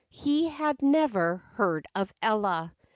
He had never heard of Ella.